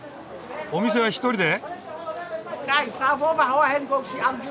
お店は１人で？